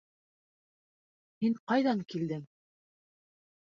Һин ҡайҙан килдең?